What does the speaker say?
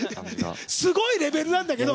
すごいレベルなんだけど！